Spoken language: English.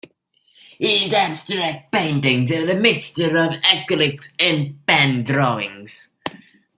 His abstract paintings are a mixture of acrylics and pen drawings.